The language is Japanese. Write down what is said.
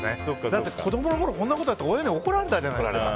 だって子供のころこうやってたら親に怒られたじゃないですか。